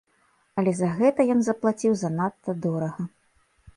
Але за гэта ён заплаціў занадта дорага.